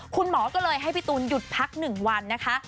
คุณหมอก็เลยให้พี่ตูนหยุดพัก๑วันนะคะ